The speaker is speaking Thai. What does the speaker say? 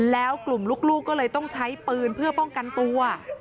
แล้วกลุ่มลูกก็เลยต้องใช้ปืนเพื่อป้องกันตัว